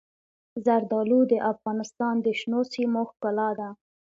زردالو د افغانستان د شنو سیمو ښکلا ده.